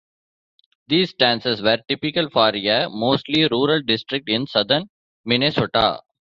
These stances were typical for a mostly rural district in southern Minnesota.